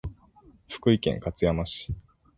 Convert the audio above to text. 福井県勝山市